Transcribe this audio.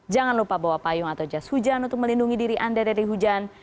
jangan lupa bawa payung atau jas hujan untuk melindungi diri anda dari hujan